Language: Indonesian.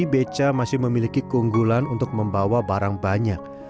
beca masih memiliki keunggulan untuk membawa barang banyak